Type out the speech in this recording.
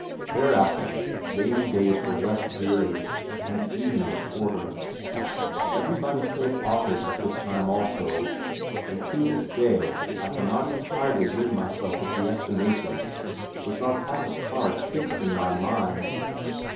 Thereafter rainy days were less dreary, and the evenings shorter. Everybody played Authors at this time also, and to this day I cannot entirely rid myself of the estimations which our pack of cards fixed in my mind.